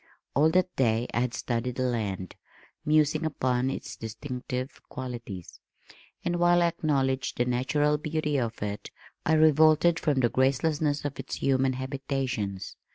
All that day I had studied the land, musing upon its distinctive qualities, and while I acknowledged the natural beauty of it, I revolted from the gracelessness of its human habitations.